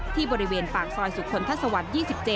ที่บริเวณปากซอยสุคลทัศวรรค์๒๗